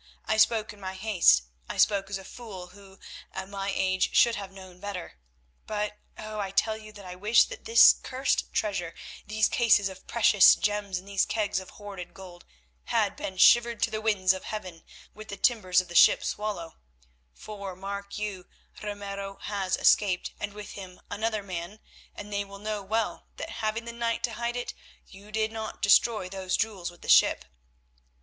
I spoke in my haste. I spoke as a fool, who, at my age, should have known better. But, oh! I tell you that I wish that this cursed treasure, these cases of precious gems and these kegs of hoarded gold, had been shivered to the winds of heaven with the timbers of the ship Swallow. For, mark you, Ramiro has escaped, and with him another man, and they will know well that having the night to hide it, you did not destroy those jewels with the ship.